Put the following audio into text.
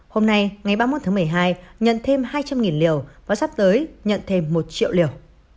hôm nay ngày ba mươi một tháng một mươi hai nhận thêm hai trăm linh liều và sắp tới nhận thêm một triệu liều